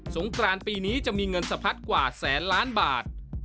งกรานปีนี้จะมีเงินสะพัดกว่าแสนล้านบาท